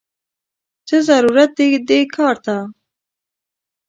څه ضرورت دې کار ته!!